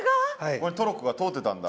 ここにトロッコが通ってたんだ。